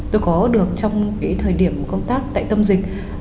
tôi có được trong cái thời điểm công tác tại tâm dịch